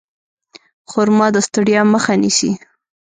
خرما د ستړیا مخه نیسي.